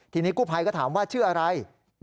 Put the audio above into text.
ทีนี้กู้ภัยก็ถามว่าชื่ออะไร